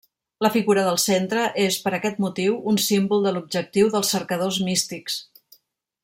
La figura del centre és, per aquest motiu, un símbol de l'objectiu dels cercadors místics.